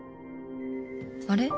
あれ？